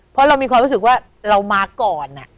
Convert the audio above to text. เพราะเรามีความรู้สึกว่าเรามาก่อน